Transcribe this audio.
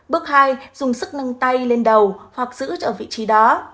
bước hai dùng sức nâng tay lên đầu hoặc giữ ở vị trí đó